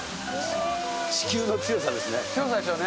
地球の強さですよね。